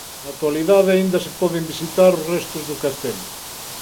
Na actualidade aínda se poden visitar os restos do castelo.